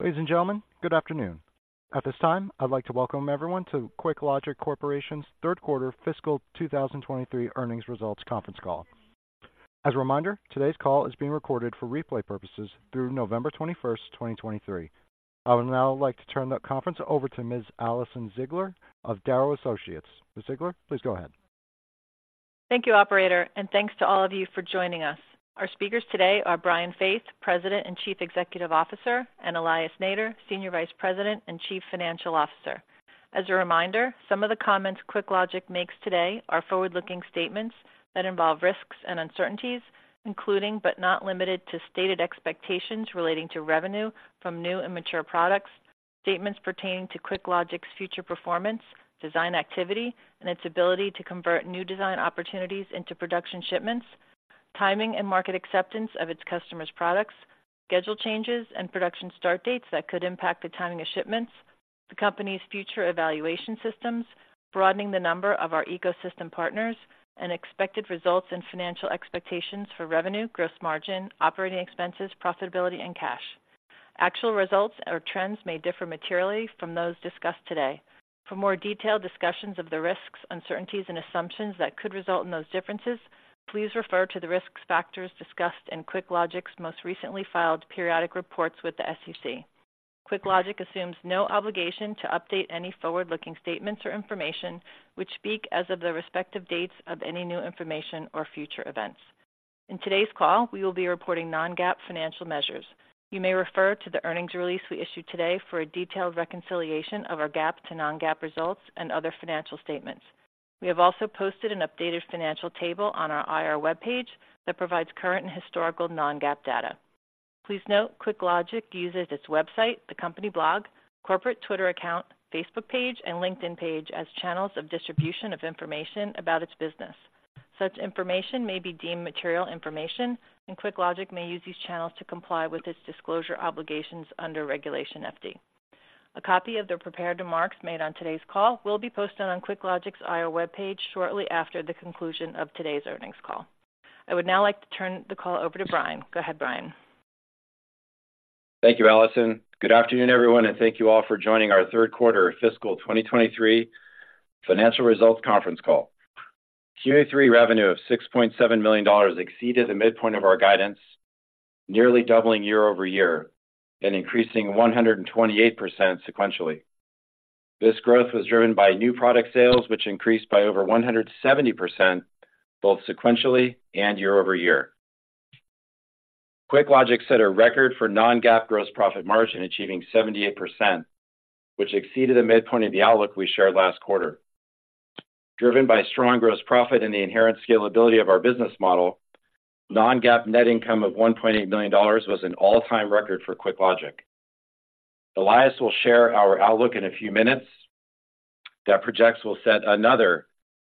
Ladies and gentlemen, good afternoon. At this time, I'd like to welcome everyone to QuickLogic Corporation's Third Quarter Fiscal 2023 Earnings Results Conference Call. As a reminder, today's call is being recorded for replay purposes through November 21st, 2023. I would now like to turn the conference over to Ms. Alison Ziegler of Darrow Associates. Ms. Ziegler, please go ahead. Thank you, operator, and thanks to all of you for joining us. Our speakers today are Brian Faith, President and Chief Executive Officer, and Elias Nader, Senior Vice President and Chief Financial Officer. As a reminder, some of the comments QuickLogic makes today are forward-looking statements that involve risks and uncertainties, including, but not limited to, stated expectations relating to revenue from new and mature products, statements pertaining to QuickLogic's future performance, design activity, and its ability to convert new design opportunities into production shipments, timing and market acceptance of its customers' products, schedule changes and production start dates that could impact the timing of shipments, the company's future evaluation systems, broadening the number of our ecosystem partners, and expected results and financial expectations for revenue, gross margin, operating expenses, profitability, and cash. Actual results or trends may differ materially from those discussed today. For more detailed discussions of the risks, uncertainties, and assumptions that could result in those differences, please refer to the risks factors discussed in QuickLogic's most recently filed periodic reports with the SEC. QuickLogic assumes no obligation to update any forward-looking statements or information, which speak as of the respective dates of any new information or future events. In today's call, we will be reporting non-GAAP financial measures. You may refer to the earnings release we issued today for a detailed reconciliation of our GAAP to non-GAAP results and other financial statements. We have also posted an updated financial table on our IR webpage that provides current and historical non-GAAP data. Please note, QuickLogic uses its website, the company blog, corporate Twitter account, Facebook page, and LinkedIn page as channels of distribution of information about its business. Such information may be deemed material information, and QuickLogic may use these channels to comply with its disclosure obligations under Regulation FD. A copy of the prepared remarks made on today's call will be posted on QuickLogic's IR webpage shortly after the conclusion of today's earnings call. I would now like to turn the call over to Brian. Go ahead, Brian. Thank you, Alison. Good afternoon, everyone, and thank you all for joining our third quarter fiscal 2023 financial results conference call. Q3 revenue of $6.7 million exceeded the midpoint of our guidance, nearly doubling year-over-year and increasing 128% sequentially. This growth was driven by new product sales, which increased by over 170%, both sequentially and year-over-year. QuickLogic set a record for non-GAAP gross profit margin, achieving 78%, which exceeded the midpoint of the outlook we shared last quarter. Driven by strong gross profit and the inherent scalability of our business model, non-GAAP net income of $1.8 million was an all-time record for QuickLogic. Elias will share our outlook in a few minutes that projects will set another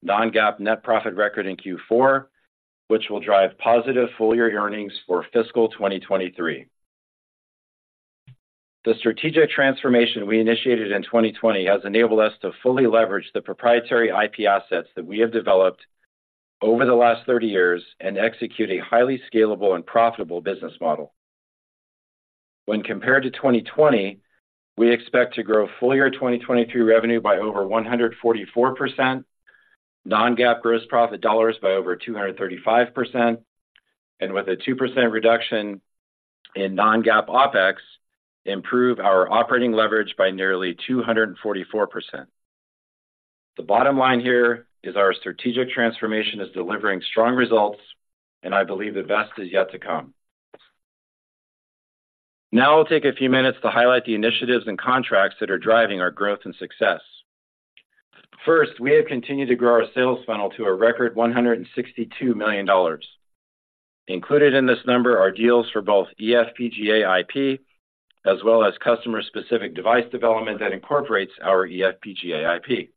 non-GAAP net profit record in Q4, which will drive positive full-year earnings for fiscal 2023. The strategic transformation we initiated in 2020 has enabled us to fully leverage the proprietary IP assets that we have developed over the last 30 years and execute a highly scalable and profitable business model. When compared to 2020, we expect to grow full year 2023 revenue by over 144%, non-GAAP gross profit dollars by over 235%, and with a 2% reduction in non-GAAP OpEx, improve our operating leverage by nearly 244%. The bottom line here is our strategic transformation is delivering strong results, and I believe the best is yet to come. Now I'll take a few minutes to highlight the initiatives and contracts that are driving our growth and success. First, we have continued to grow our sales funnel to a record $162 million. Included in this number are deals for both eFPGA IP, as well as customer-specific device development that incorporates our eFPGA IP.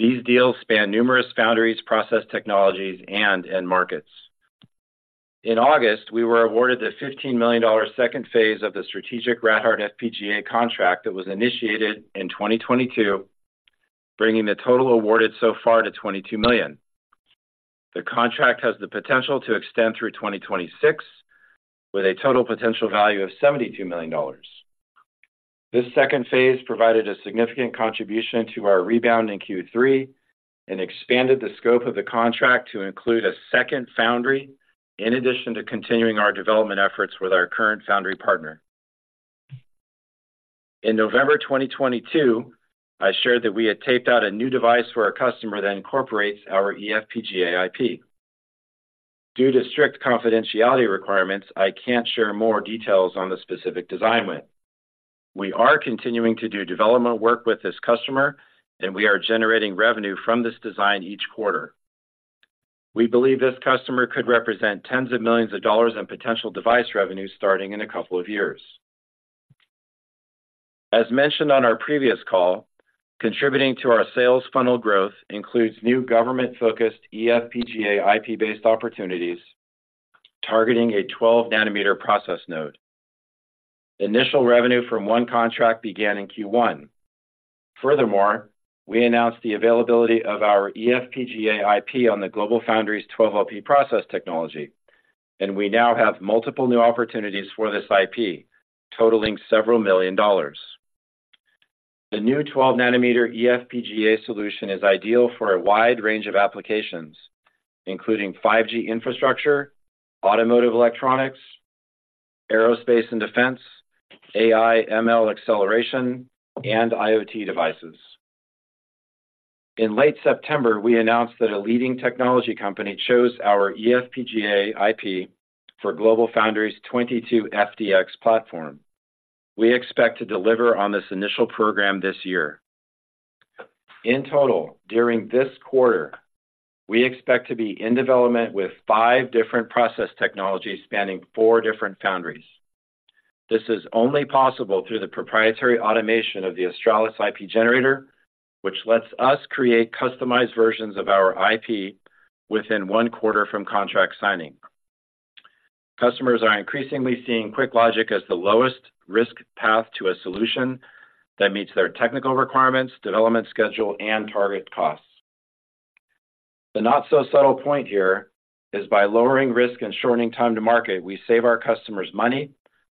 These deals span numerous foundries, process technologies, and end markets. In August, we were awarded the $15 million second phase of the strategic Rad-Hard eFPGA contract that was initiated in 2022, bringing the total awarded so far to $22 million. The contract has the potential to extend through 2026, with a total potential value of $72 million. This second phase provided a significant contribution to our rebound in Q3 and expanded the scope of the contract to include a second foundry, in addition to continuing our development efforts with our current foundry partner. In November 2022, I shared that we had taped out a new device for a customer that incorporates our eFPGA IP. Due to strict confidentiality requirements, I can't share more details on the specific design win. We are continuing to do development work with this customer, and we are generating revenue from this design each quarter. We believe this customer could represent tens of millions of dollars in potential device revenue starting in a couple of years. As mentioned on our previous call, contributing to our sales funnel growth includes new government-focused eFPGA IP-based opportunities targeting a 12-nanometer process node. Initial revenue from one contract began in Q1. Furthermore, we announced the availability of our eFPGA IP on the GlobalFoundries 12LP process technology, and we now have multiple new opportunities for this IP, totaling several million dollars. The new 12-nanometer eFPGA solution is ideal for a wide range of applications, including 5G infrastructure, automotive electronics, aerospace and defense, AI, ML acceleration, and IoT devices. In late September, we announced that a leading technology company chose our eFPGA IP for GlobalFoundries 22FDX platform. We expect to deliver on this initial program this year. In total, during this quarter, we expect to be in development with five different process technologies spanning four different foundries. This is only possible through the proprietary automation of the Australis IP generator, which lets us create customized versions of our IP within one quarter from contract signing. Customers are increasingly seeing QuickLogic as the lowest risk path to a solution that meets their technical requirements, development schedule, and target costs. The not-so-subtle point here is by lowering risk and shortening time to market, we save our customers money,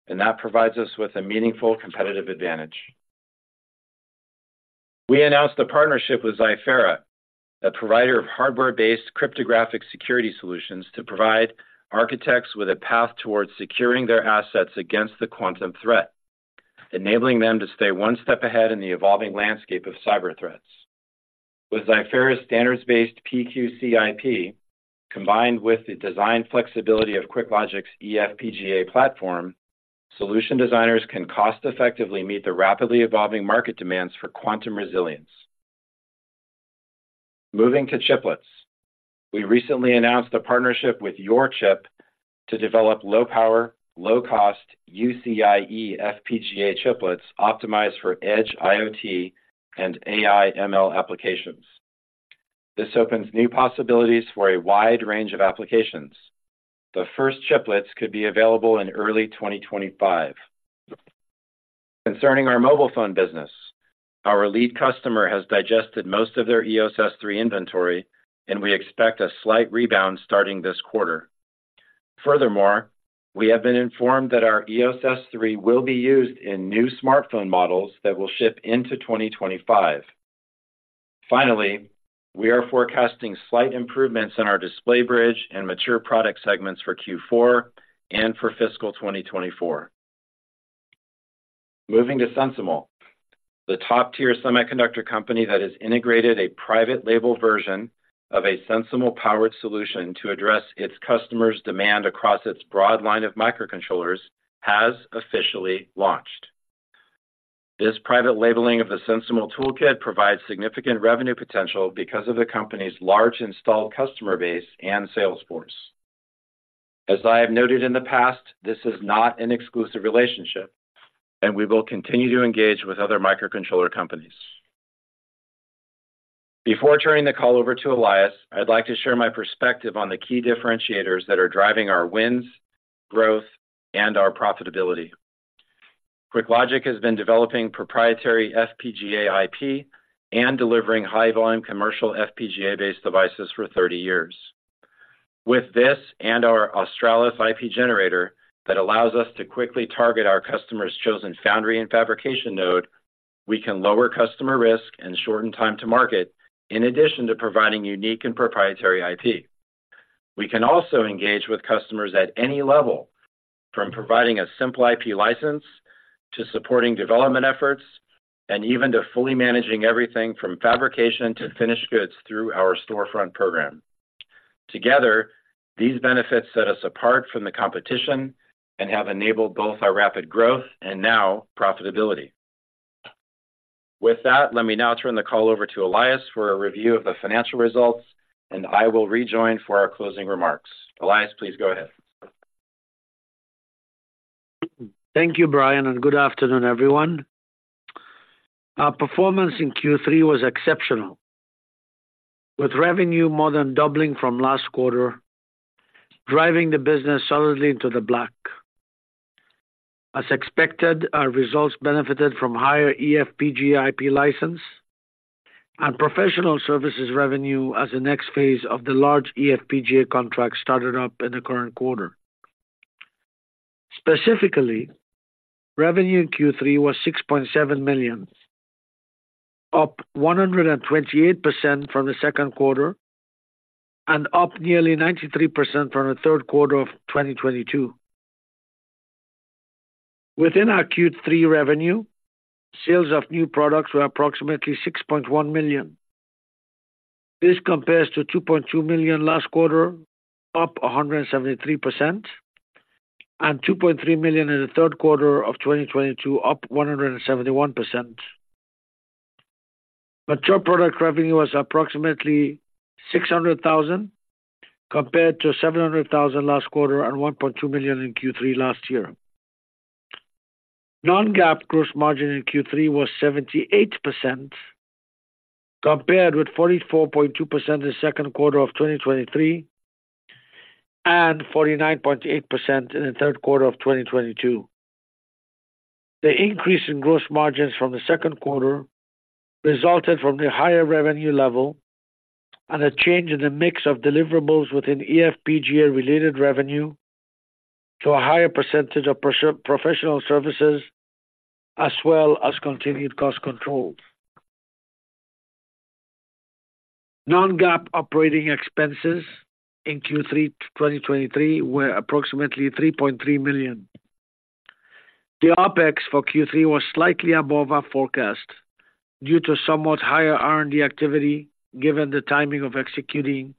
and that provides us with a meaningful competitive advantage. We announced a partnership with Xiphera, a provider of hardware-based cryptographic security solutions, to provide architects with a path towards securing their assets against the quantum threat, enabling them to stay one step ahead in the evolving landscape of cyber threats. With Xiphera's standards-based PQC IP, combined with the design flexibility of QuickLogic's eFPGA platform, solution designers can cost-effectively meet the rapidly evolving market demands for quantum resilience. Moving to chiplets, we recently announced a partnership with YorChip to develop low power, low cost, UCIe FPGA chiplets optimized for edge IoT and AI, ML applications. This opens new possibilities for a wide range of applications. The first chiplets could be available in early 2025. Concerning our mobile phone business, our lead customer has digested most of their EOS S3 inventory, and we expect a slight rebound starting this quarter. Furthermore, we have been informed that our EOS S3 will be used in new smartphone models that will ship into 2025. Finally, we are forecasting slight improvements in our Display Bridge and mature product segments for Q4 and for fiscal 2024. Moving to SensiML, the top-tier semiconductor company that has integrated a private label version of a SensiML-powered solution to address its customers' demand across its broad line of microcontrollers, has officially launched. This private labeling of the SensiML toolkit provides significant revenue potential because of the company's large installed customer base and sales force. As I have noted in the past, this is not an exclusive relationship, and we will continue to engage with other microcontroller companies. Before turning the call over to Elias, I'd like to share my perspective on the key differentiators that are driving our wins, growth, and our profitability. QuickLogic has been developing proprietary FPGA IP and delivering high-volume commercial FPGA-based devices for 30 years. With this and our Australis IP generator that allows us to quickly target our customer's chosen foundry and fabrication node, we can lower customer risk and shorten time to market, in addition to providing unique and proprietary IP. We can also engage with customers at any level, from providing a simple IP license to supporting development efforts, and even to fully managing everything from fabrication to finished goods through our storefront program. Together, these benefits set us apart from the competition and have enabled both our rapid growth and now profitability. With that, let me now turn the call over to Elias for a review of the financial results, and I will rejoin for our closing remarks. Elias, please go ahead. Thank you, Brian, and good afternoon, everyone. Our performance in Q3 was exceptional, with revenue more than doubling from last quarter, driving the business solidly into the black. As expected, our results benefited from higher eFPGA IP license and professional services revenue as the next phase of the large eFPGA contract started up in the current quarter. Specifically, revenue in Q3 was $6.7 million, up 128% from the second quarter and up nearly 93% from the third quarter of 2022. Within our Q3 revenue, sales of new products were approximately $6.1 million. This compares to $2.2 million last quarter, up 173%, and $2.3 million in the third quarter of 2022, up 171%. Mature product revenue was approximately $600,000, compared to $700,000 last quarter and $1.2 million in Q3 last year. Non-GAAP gross margin in Q3 was 78%, compared with 44.2% in the second quarter of 2023... and 49.8% in the third quarter of 2022. The increase in gross margins from the second quarter resulted from the higher revenue level and a change in the mix of deliverables within eFPGA-related revenue to a higher percentage of professional services, as well as continued cost controls. Non-GAAP operating expenses in Q3 2023 were approximately $3.3 million. The OpEx for Q3 was slightly above our forecast due to somewhat higher R&D activity, given the timing of executing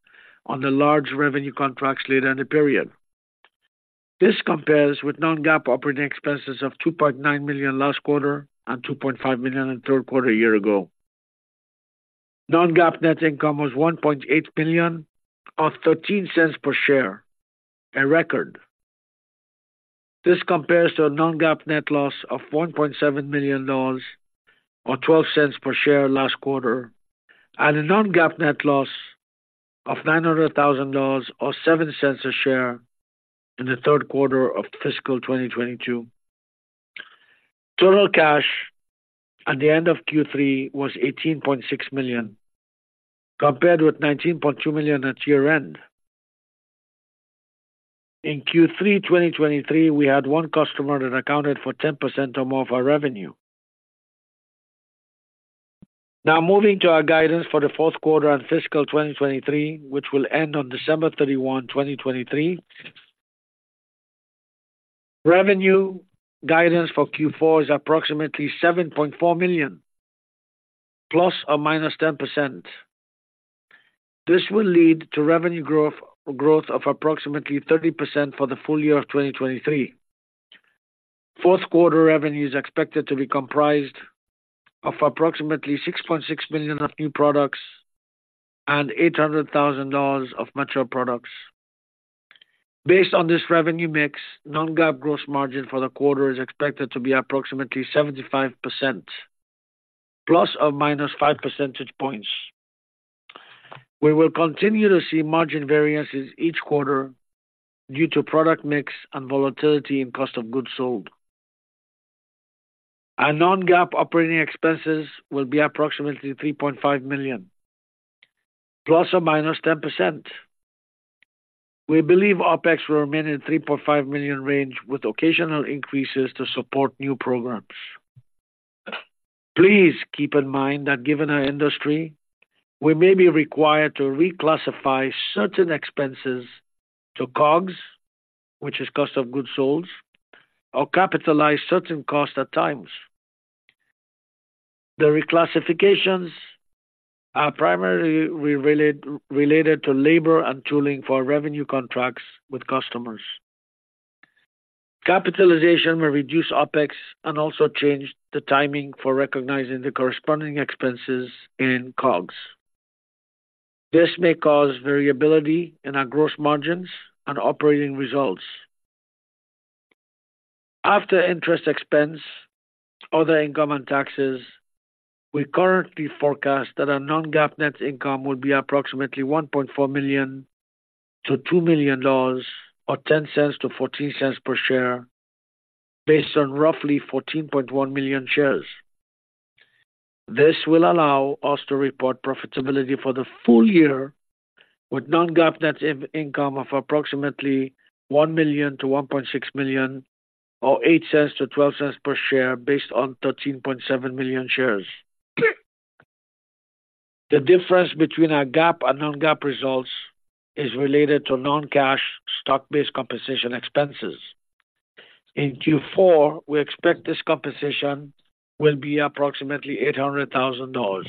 on the large revenue contracts later in the period. This compares with non-GAAP operating expenses of $2.9 million last quarter and $2.5 million in the third quarter a year ago. Non-GAAP net income was $1.8 million of $0.13 per share, a record. This compares to a non-GAAP net loss of $1.7 million, or $0.12 per share last quarter, and a non-GAAP net loss of $900,000, or $0.07 a share in the third quarter of fiscal 2022. Total cash at the end of Q3 was $18.6 million, compared with $19.2 million at year-end. In Q3 2023, we had one customer that accounted for 10% or more of our revenue. Now, moving to our guidance for the fourth quarter and fiscal 2023, which will end on December 31, 2023. Revenue guidance for Q4 is approximately $7.4 million, ±10%. This will lead to revenue growth, growth of approximately 30% for the full year of 2023. Fourth quarter revenue is expected to be comprised of approximately $6.6 million of new products and $800,000 of mature products. Based on this revenue mix, non-GAAP gross margin for the quarter is expected to be approximately 75%, ±5 percentage points. We will continue to see margin variances each quarter due to product mix and volatility in cost of goods sold. Our non-GAAP operating expenses will be approximately $3.5 million, ±10%. We believe OpEx will remain in $3.5 million range, with occasional increases to support new programs. Please keep in mind that given our industry, we may be required to reclassify certain expenses to COGS, which is cost of goods sold, or capitalize certain costs at times. The reclassifications are primarily related to labor and tooling for revenue contracts with customers. Capitalization may reduce OpEx and also change the timing for recognizing the corresponding expenses in COGS. This may cause variability in our gross margins and operating results. After interest expense, other income and taxes, we currently forecast that our non-GAAP net income will be approximately $1.4 million-$2 million, or $0.10-$0.14 per share, based on roughly 14.1 million shares. This will allow us to report profitability for the full year, with non-GAAP net income of approximately $1 million-$1.6 million, or $0.08-$0.12 per share, based on 13.7 million shares. The difference between our GAAP and non-GAAP results is related to non-cash stock-based compensation expenses. In Q4, we expect this compensation will be approximately $800,000.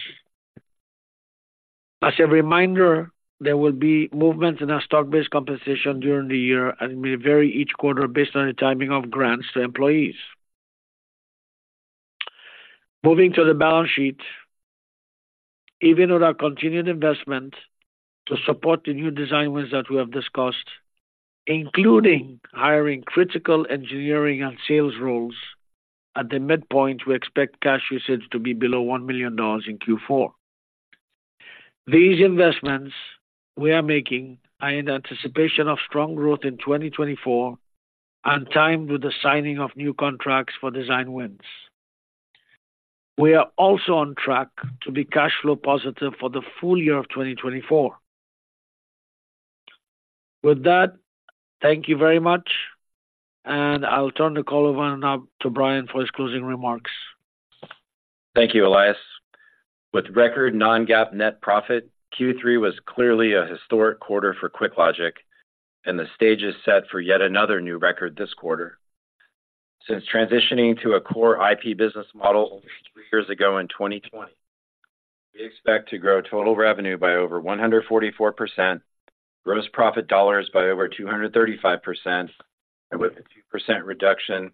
As a reminder, there will be movements in our stock-based compensation during the year and may vary each quarter based on the timing of grants to employees. Moving to the balance sheet. Even with our continued investment to support the new design wins that we have discussed, including hiring critical engineering and sales roles, at the midpoint, we expect cash usage to be below $1 million in Q4. These investments we are making are in anticipation of strong growth in 2024 and timed with the signing of new contracts for design wins. We are also on track to be cash flow positive for the full year of 2024. With that, thank you very much, and I'll turn the call over now to Brian for his closing remarks. Thank you, Elias. With record non-GAAP net profit, Q3 was clearly a historic quarter for QuickLogic, and the stage is set for yet another new record this quarter. Since transitioning to a core IP business model only three years ago in 2020, we expect to grow total revenue by over 144%, gross profit dollars by over 235%, and with a 2% reduction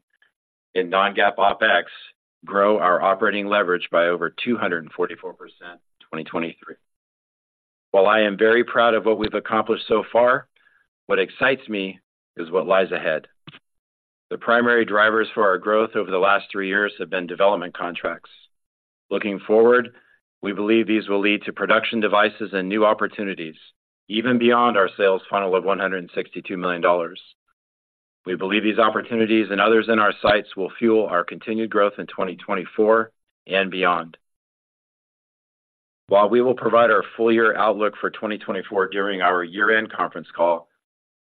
in non-GAAP OpEx, grow our operating leverage by over 244% in 2023. While I am very proud of what we've accomplished so far, what excites me is what lies ahead... The primary drivers for our growth over the last three years have been development contracts. Looking forward, we believe these will lead to production devices and new opportunities, even beyond our sales funnel of $162 million. We believe these opportunities and others in our sights will fuel our continued growth in 2024 and beyond. While we will provide our full year outlook for 2024 during our year-end conference call,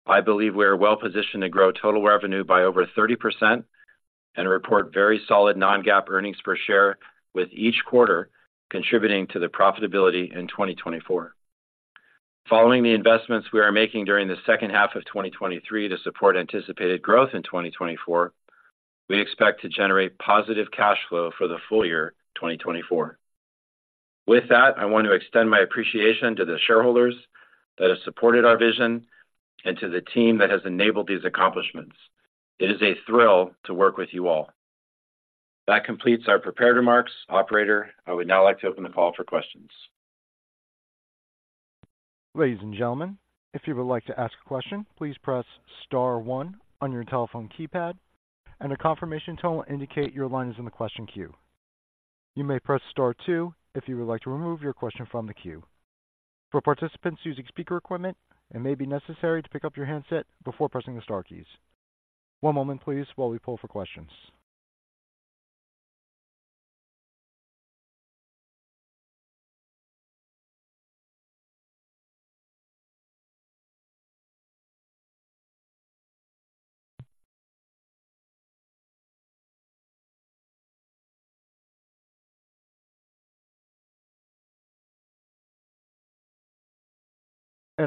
I believe we are well positioned to grow total revenue by over 30% and report very solid non-GAAP earnings per share, with each quarter contributing to the profitability in 2024. Following the investments we are making during the second half of 2023 to support anticipated growth in 2024, we expect to generate positive cash flow for the full year 2024. With that, I want to extend my appreciation to the shareholders that have supported our vision and to the team that has enabled these accomplishments. It is a thrill to work with you all. That completes our prepared remarks. Operator, I would now like to open the call for questions. Ladies and gentlemen, if you would like to ask a question, please press star one on your telephone keypad, and a confirmation tone will indicate your line is in the question queue. You may press star two if you would like to remove your question from the queue. For participants using speaker equipment, it may be necessary to pick up your handset before pressing the star keys. One moment please while we pull for questions.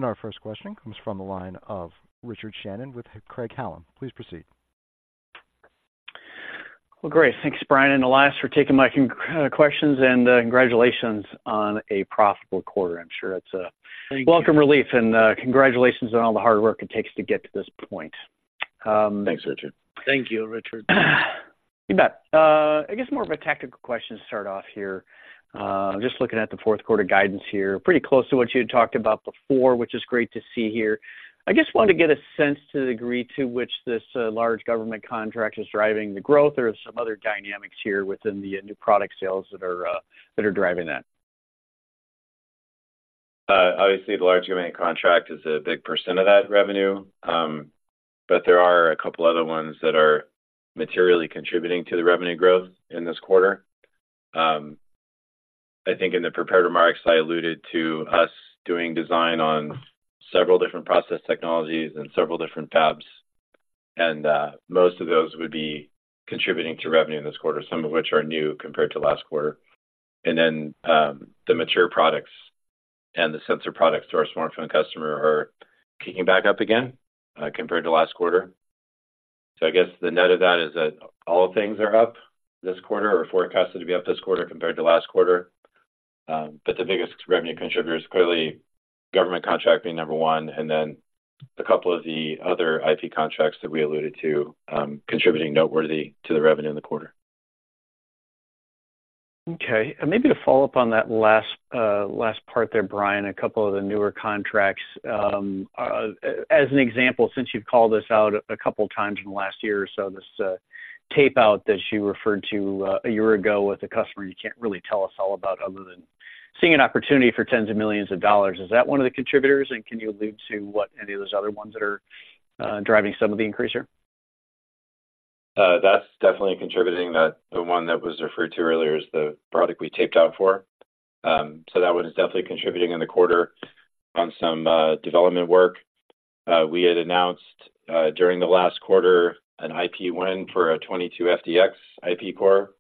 Our first question comes from the line of Richard Shannon with Craig-Hallum. Please proceed. Well, great. Thanks, Brian and Elias, for taking my questions, and congratulations on a profitable quarter. I'm sure it's a- Thank you. welcome relief, and congratulations on all the hard work it takes to get to this point. Thanks, Richard. Thank you, Richard. You bet. I guess more of a tactical question to start off here. Just looking at the fourth quarter guidance here, pretty close to what you had talked about before, which is great to see here. I just wanted to get a sense to the degree to which this large government contract is driving the growth or some other dynamics here within the new product sales that are that are driving that. Obviously, the large government contract is a big percent of that revenue, but there are a couple other ones that are materially contributing to the revenue growth in this quarter. I think in the prepared remarks, I alluded to us doing design on several different process technologies and several different fabs, and most of those would be contributing to revenue in this quarter, some of which are new compared to last quarter. And then, the mature products and the sensor products to our smartphone customer are kicking back up again, compared to last quarter. So I guess the net of that is that all things are up this quarter, or forecasted to be up this quarter compared to last quarter. The biggest revenue contributor is clearly government contract being number one, and then a couple of the other IP contracts that we alluded to, contributing noteworthy to the revenue in the quarter. Okay. Maybe to follow up on that last, last part there, Brian, a couple of the newer contracts. As an example, since you've called this out a couple of times in the last year or so, this, tapeout that you referred to, a year ago with a customer you can't really tell us all about, other than seeing an opportunity for 10s of millions of dollars. Is that one of the contributors, and can you allude to what any of those other ones that are, driving some of the increase here? That's definitely contributing. That, the one that was referred to earlier is the product we taped out for. So that one is definitely contributing in the quarter on some development work. We had announced during the last quarter an IP win for a 22FDX IP core.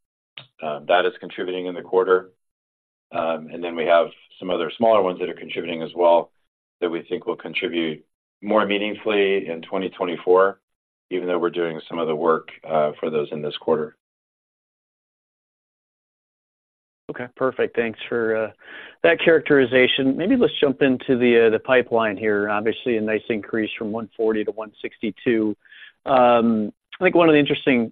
That is contributing in the quarter. And then we have some other smaller ones that are contributing as well, that we think will contribute more meaningfully in 2024, even though we're doing some of the work for those in this quarter. Okay, perfect. Thanks for that characterization. Maybe let's jump into the pipeline here. Obviously, a nice increase from $140 to $162. I think one of the interesting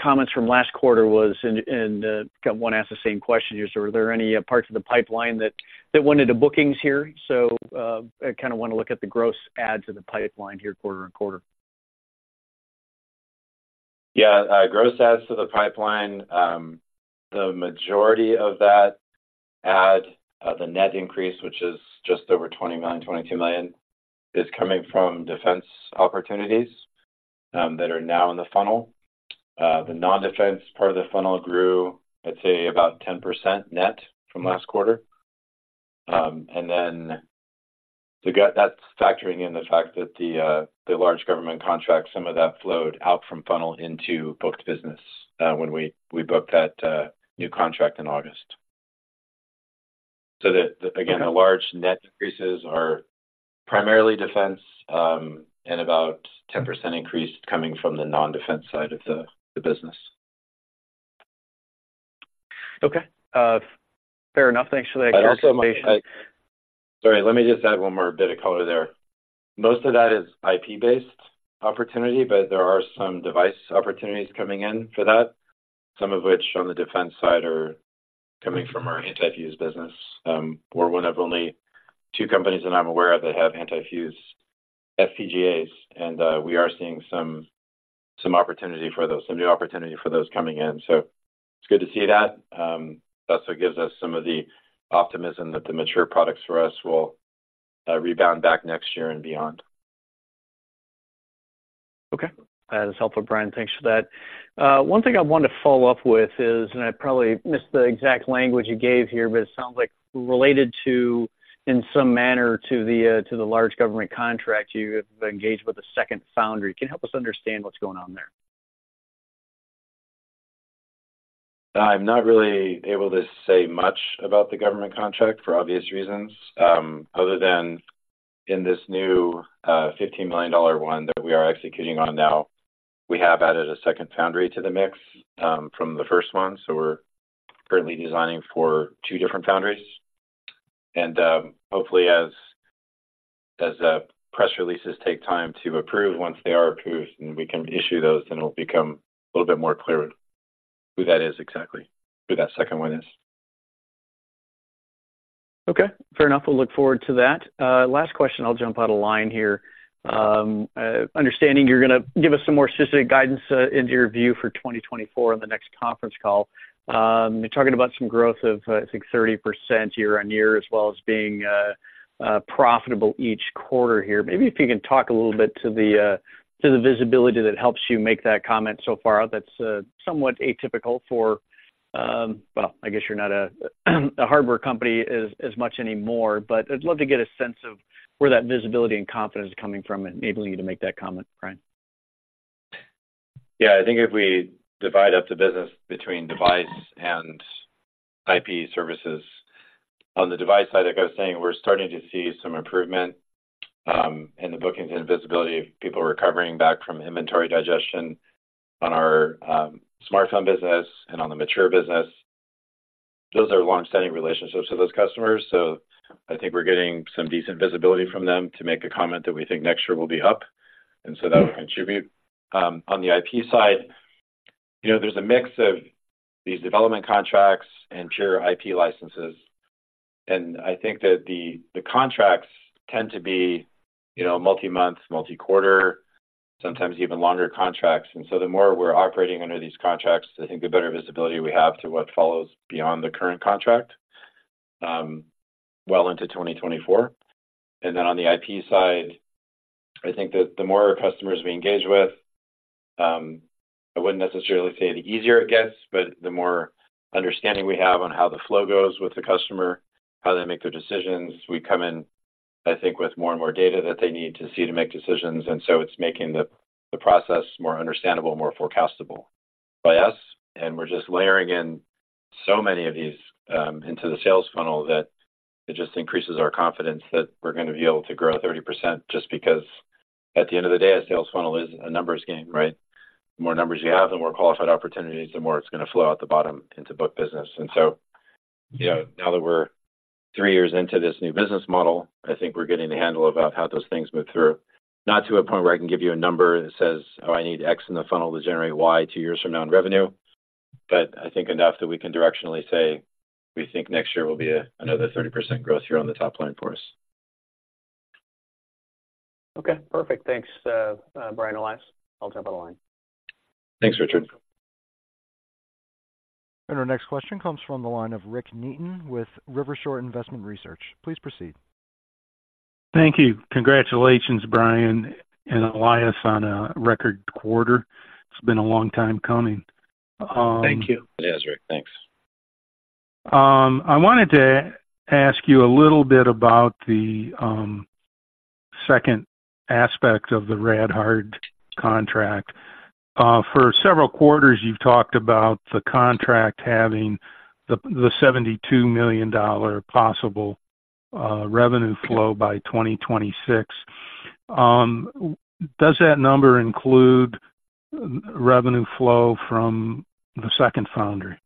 comments from last quarter was, and kind of want to ask the same question here. So are there any parts of the pipeline that went into bookings here? So, I kind of want to look at the gross adds of the pipeline here quarter and quarter. Yeah. Gross adds to the pipeline. The majority of that add, the net increase, which is just over $20 million, $22 million, is coming from defense opportunities that are now in the funnel. The non-defense part of the funnel grew, I'd say, about 10% net from last quarter. And then to get that factoring in the fact that the large government contract, some of that flowed out from funnel into booked business when we booked that new contract in August. So that, again, the large net increases are primarily defense, and about 10% increase coming from the non-defense side of the business. Okay, fair enough. Thanks for that clarification. Sorry, let me just add one more bit of color there. Most of that is IP-based opportunity, but there are some device opportunities coming in for that, some of which on the defense side are coming from our antifuse business. We're one of only two companies that I'm aware of that have antifuse FPGAs, and we are seeing some opportunity for those, some new opportunity for those coming in. So it's good to see that. That's what gives us some of the optimism that the mature products for us will rebound back next year and beyond. Okay, that is helpful, Brian. Thanks for that. One thing I wanted to follow up with is, and I probably missed the exact language you gave here, but it sounds like related to, in some manner, to the, to the large government contract, you have engaged with a second foundry. Can you help us understand what's going on there? I'm not really able to say much about the government contract, for obvious reasons. Other than in this new $15 million one that we are executing on now, we have added a second foundry to the mix, from the first one, so we're currently designing for two different foundries. Hopefully, as press releases take time to approve, once they are approved and we can issue those, then it'll become a little bit more clear who that is exactly, who that second one is. Okay, fair enough. We'll look forward to that. Last question, I'll jump out of line here. Understanding you're gonna give us some more specific guidance into your view for 2024 on the next conference call. You're talking about some growth of, I think 30% year-on-year, as well as being profitable each quarter here. Maybe if you can talk a little bit to the to the visibility that helps you make that comment so far, that's somewhat atypical for... Well, I guess you're not a hardware company as much anymore, but I'd love to get a sense of where that visibility and confidence is coming from enabling you to make that comment, Brian. Yeah, I think if we divide up the business between device and IP services, on the device side, like I was saying, we're starting to see some improvement, in the bookings and visibility of people recovering back from inventory digestion on our, smartphone business and on the mature business. Those are long-standing relationships with those customers, so I think we're getting some decent visibility from them to make a comment that we think next year will be up, and so that will contribute. On the IP side, you know, there's a mix of these development contracts and pure IP licenses, and I think that the contracts tend to be, you know, multi-month, multi-quarter, sometimes even longer contracts. And so the more we're operating under these contracts, I think the better visibility we have to what follows beyond the current contract, well into 2024. And then on the IP side, I think that the more customers we engage with, I wouldn't necessarily say the easier it gets, but the more understanding we have on how the flow goes with the customer, how they make their decisions. We come in, I think, with more and more data that they need to see to make decisions, and so it's making the process more understandable, more forecastable by us, and we're just layering in so many of these into the sales funnel, that it just increases our confidence that we're gonna be able to grow 30% just because at the end of the day, a sales funnel is a numbers game, right? The more numbers you have, the more qualified opportunities, the more it's gonna flow out the bottom into book business. And so, you know, now that we're three years into this new business model, I think we're getting a handle about how those things move through. Not to a point where I can give you a number that says, "Oh, I need X in the funnel to generate Y two years from now in revenue," but I think enough that we can directionally say we think next year will be another 30% growth year on the top line for us. Okay, perfect. Thanks, Brian, Elias. I'll jump on the line. Thanks, Richard. Our next question comes from the line of Rick Neaton with Rivershore Investment Research. Please proceed. Thank you. Congratulations, Brian and Elias, on a record quarter. It's been a long time coming. Thank you. Yes, Rick. Thanks. I wanted to ask you a little bit about the second aspect of the Rad-Hard contract. For several quarters, you've talked about the contract having the $72 million possible revenue flow by 2026. Does that number include revenue flow from the second foundry?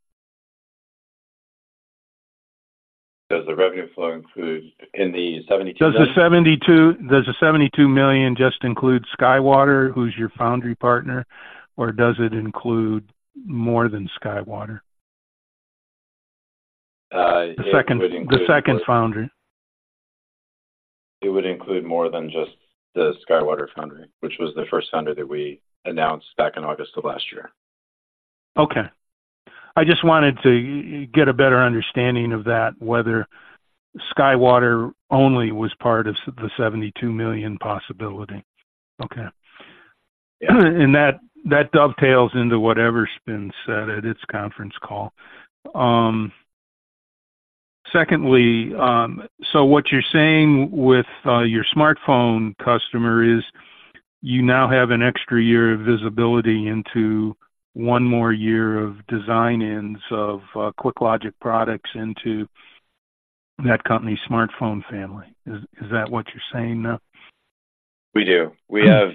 Does the revenue flow include in the $72 million? Does the $72 million just include SkyWater, who's your foundry partner, or does it include more than SkyWater? It would include- The second foundry. It would include more than just the SkyWater Foundry, which was the first foundry that we announced back in August of last year. Okay. I just wanted to get a better understanding of that, whether SkyWater only was part of the $72 million possibility. Okay. Yeah. And that, that dovetails into whatever's been said at its conference call. Secondly, so what you're saying with your smartphone customer is, you now have an extra year of visibility into one more year of design-ins of QuickLogic products into that company's smartphone family. Is, is that what you're saying now? We do. Okay. We have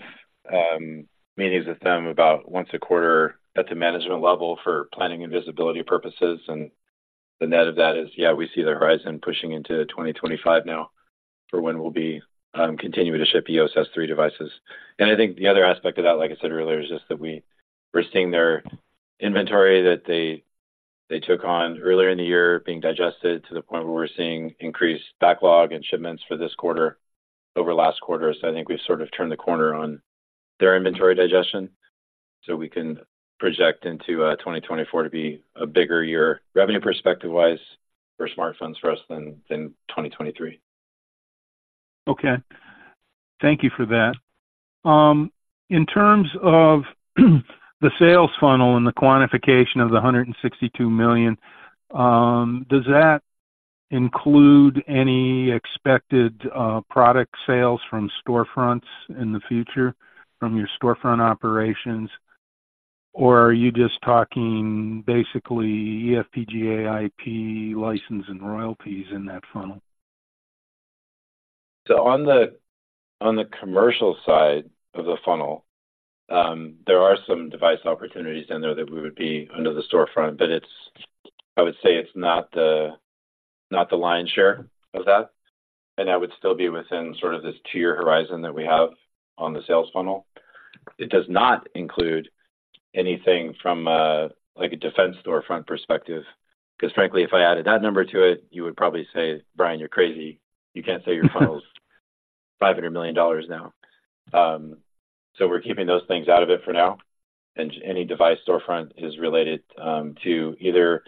meetings with them about once a quarter at the management level for planning and visibility purposes, and the net of that is, yeah, we see the horizon pushing into 2025 now for when we'll be continuing to ship EOS S3 devices. And I think the other aspect of that, like I said earlier, is just that we're seeing their inventory that they took on earlier in the year being digested to the point where we're seeing increased backlog and shipments for this quarter over last quarter. So I think we've sort of turned the corner on their inventory digestion, so we can project into 2024 to be a bigger year, revenue perspective-wise, for smart phones for us than 2023. Okay. Thank you for that. In terms of the sales funnel and the quantification of the $162 million, does that include any expected product sales from storefronts in the future, from your storefront operations? Or are you just talking basically eFPGA IP license and royalties in that funnel? So on the commercial side of the funnel, there are some device opportunities in there that we would be under the storefront, but I would say it's not the lion's share of that, and that would still be within sort of this two-year horizon that we have on the sales funnel. It does not include anything from, like, a defense storefront perspective, 'cause frankly, if I added that number to it, you would probably say, "Brian, you're crazy. You can't say your funnel's $500 million now." So we're keeping those things out of it for now. And any device storefront is related to either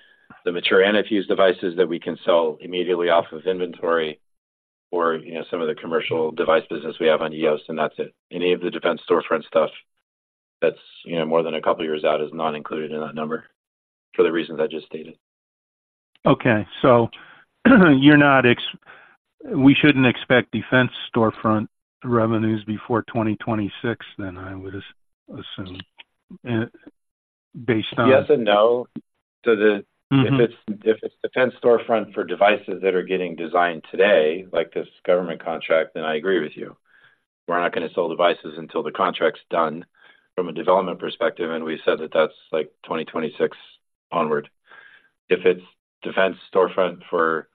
the mature NFU devices that we can sell immediately off of inventory or, you know, some of the commercial device business we have on EOS, and that's it. Any of the defense storefront stuff that's, you know, more than a couple of years out, is not included in that number for the reasons I just stated. Okay. So, we shouldn't expect defense storefront revenues before 2026 then. I would assume, based on- Yes and no. So the- Mm-hmm. If it's defense storefront for devices that are getting designed today, like this government contract, then I agree with you. We're not gonna sell devices until the contract's done from a development perspective, and we've said that that's, like, 2026 onward. If it's defense storefront for,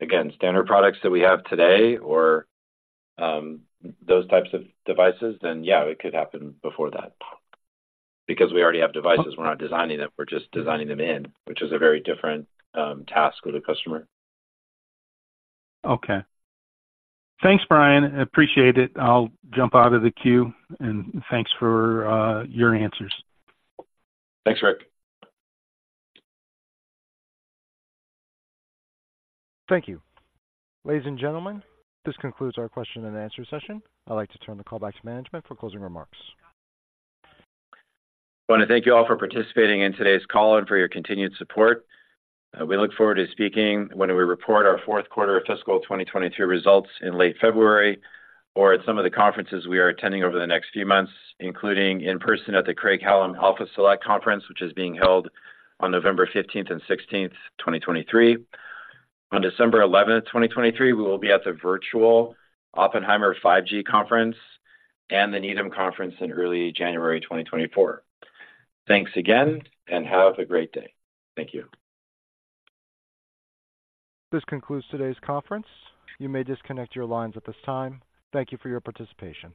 again, standard products that we have today or, those types of devices, then, yeah, it could happen before that. Because we already have devices, we're not designing them, we're just designing them in, which is a very different, task with a customer. Okay. Thanks, Brian. I appreciate it. I'll jump out of the queue, and thanks for your answers. Thanks, Rick. Thank you. Ladies and gentlemen, this concludes our question and answer session. I'd like to turn the call back to management for closing remarks. I wanna thank you all for participating in today's call and for your continued support. We look forward to speaking when we report our fourth quarter of fiscal 2022 results in late February or at some of the conferences we are attending over the next few months, including in person at the Craig-Hallum Alpha Select Conference, which is being held on November 15th and 16th, 2023. On December 11th, 2023, we will be at the virtual Oppenheimer 5G Conference and the Needham Conference in early January 2024. Thanks again, and have a great day. Thank you. This concludes today's conference. You may disconnect your lines at this time. Thank you for your participation.